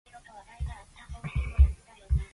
She has a vocal range of four octaves.